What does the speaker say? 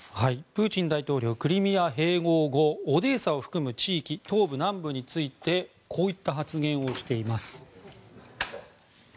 プーチン大統領クリミア併合後オデーサを含む地域東部、南部についてこういった発言をしています。